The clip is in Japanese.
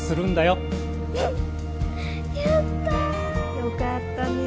よかったね